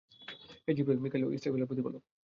হে Jibrail, Mikail ও ইসরাফীল-এর প্রতিপালক!